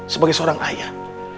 sebagai seorang ayah